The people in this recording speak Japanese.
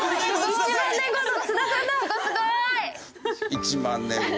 １万年後。